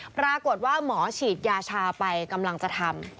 ปรากฏว่าหมอฉีดยาชาไปกำลังจะทำ